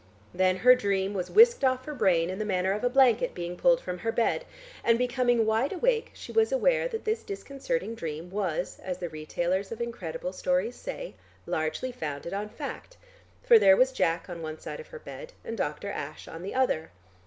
Then her dream was whisked off her brain in the manner of a blanket being pulled from her bed, and becoming wide awake, she was aware that this disconcerting dream was, as the retailers of incredible stories say, "largely founded on fact," for there was Jack on one side of her bed and Doctor Ashe on the other.